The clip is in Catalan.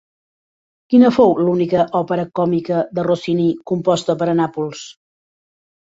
Quina fou l'única òpera còmica de Rossini composta per a Nàpols?